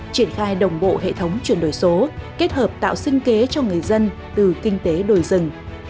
triển khai đồng bộ hệ thống chuyển đổi số kết hợp tạo sinh kế cho người dân từ kinh tế đồi rừng